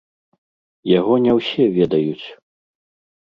Яго не ўсе ведаюць.